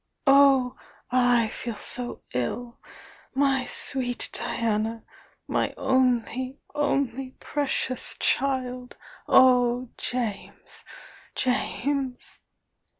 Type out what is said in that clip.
Oh, I feel so ill! My sweet Diana!— my only, only precious child! Oh, James, James!"